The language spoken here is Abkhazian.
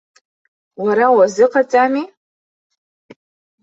Уара уазыҟаҵами?